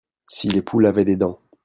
si les poules avaient des dents.